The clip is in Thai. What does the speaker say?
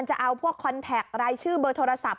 จะเอาพวกคอนแท็กรายชื่อเบอร์โทรศัพท์